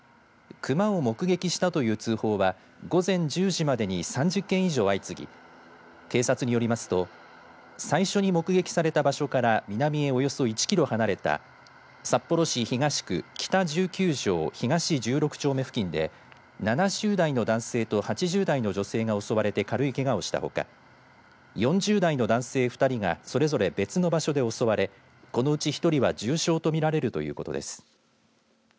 クマを目撃したという通報は午前１０時までに３０件以上相次ぎ警察によりますと最初に目撃された場所から南へおよそ１キロ離れた札幌市東区北１９条東１６丁目付近で７０代の男性と８０代の女性が襲われて軽いけがをしたほか４０代の男性２人とそれぞれ別の場所で襲われこのうち１人は重傷とみられるということです。